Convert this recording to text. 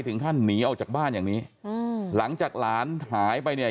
ถึงขั้นหนีออกจากบ้านอย่างนี้อืมหลังจากหลานหายไปเนี่ย